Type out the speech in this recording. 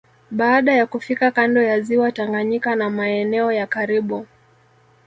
Baada ya kufika kando ya ziwa Tanganyika na maeneo ya karibu